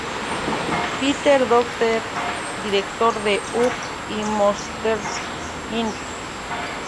Peter Docter, director de "Up" y "Monsters, Inc.